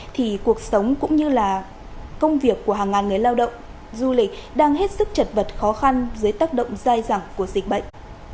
thì cuộc sống cũng như là công việc của hàng ngàn người lao động du lịch đang hết sức chật vật khó khăn dưới tác động dai dẳng của dịch bệnh